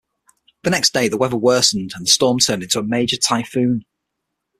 The next day, the weather worsened and the storm turned into a major typhoon.